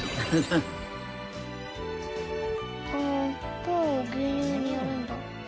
パンを牛乳にやるんだ。